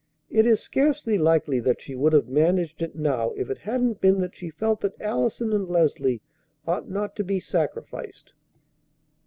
It is scarcely likely that she would have managed it now if it hadn't been that she felt that Allison and Leslie ought not to be sacrificed.